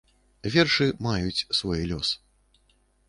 Вершы маюць свой лёс.